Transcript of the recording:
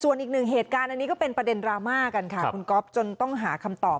ส่วนอีกหนึ่งเหตุการณ์อันนี้ก็เป็นประเด็นดราม่ากันค่ะคุณก๊อฟจนต้องหาคำตอบ